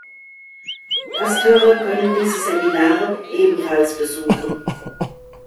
Gasthörer können diese Seminare ebenfalls besuchen.